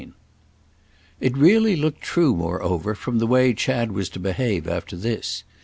II It really looked true moreover from the way Chad was to behave after this.